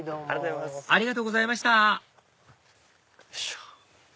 ありがとうございましたよいしょ。